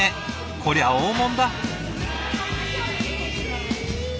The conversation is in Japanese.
こりゃあ大物だ。